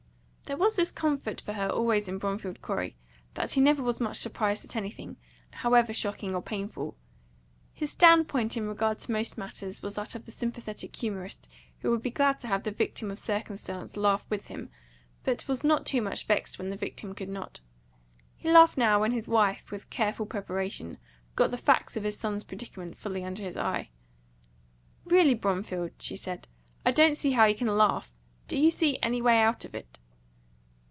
There was this comfort for her always in Bromfield Corey, that he never was much surprised at anything, however shocking or painful. His standpoint in regard to most matters was that of the sympathetic humorist who would be glad to have the victim of circumstance laugh with him, but was not too much vexed when the victim could not. He laughed now when his wife, with careful preparation, got the facts of his son's predicament fully under his eye. "Really, Bromfield," she said, "I don't see how you can laugh. Do you see any way out of it?"